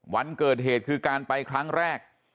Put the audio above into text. วันเกิดเหตุคือการไปครั้งแรก